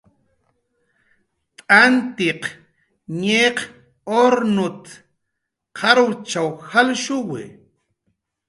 "T'antiq ñiq urnut"" ach'shut"" jalshuwi"